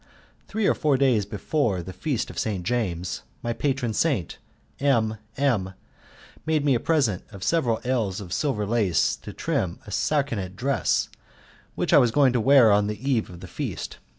Three or four days before the Feast of St. James, my patron saint, M M made me a present of several ells of silver lace to trim a sarcenet dress which I was going to wear on the eve of the feast.